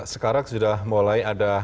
sekarang sudah mulai ada